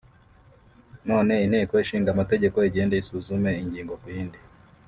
none Inteko Ishinga Amategeko igende isuzume ingingo ku yindi